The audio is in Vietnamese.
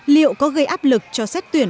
liệu có gây áp lực cho xét tuyển